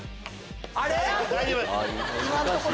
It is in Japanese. あれ？